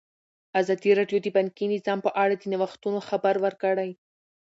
ازادي راډیو د بانکي نظام په اړه د نوښتونو خبر ورکړی.